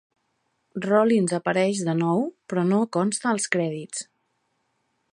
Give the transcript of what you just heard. Rollins apareix de nou, però no consta als crèdits.